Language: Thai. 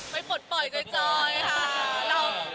ปลดปล่อยจอยค่ะ